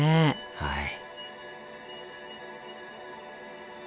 はい。